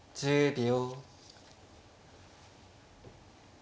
１０秒。